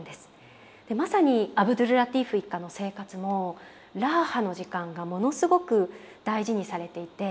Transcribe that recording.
まさにアブドュルラティーフ一家の生活もラーハの時間がものすごく大事にされていて。